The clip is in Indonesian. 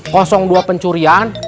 kosong dua pencurian